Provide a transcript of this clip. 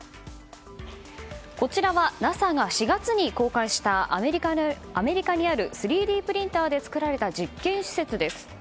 こちらはＮＡＳＡが４月に公開したアメリカにある３Ｄプリンターで作られた実験施設です。